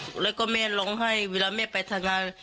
หรือทำไมแม่ลองให้เวลาแม่ไปทำงาน